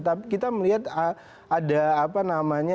tapi kita melihat ada apa namanya